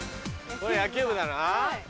これ野球部だな。